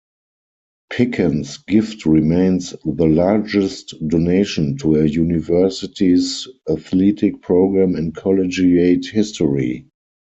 Pickens' gift remains the largest donation to a university's athletic program in collegiate history.